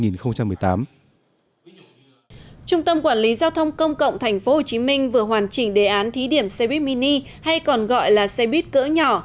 trung tâm quản lý giao thông công cộng tp hcm vừa hoàn chỉnh đề án thí điểm xe buýt mini hay còn gọi là xe buýt cỡ nhỏ